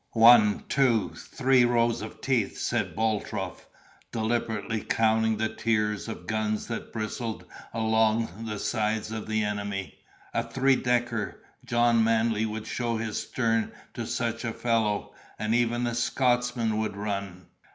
"One, two, three rows of teeth!" said Boltrope, deliberately counting the tiers of guns that bristled along the sides of the enemy; "a three decker! Jack Manly would show his stern to such a fellow! and even the Scotchman would run!"